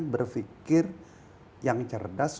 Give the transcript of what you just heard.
berfikir yang cerdas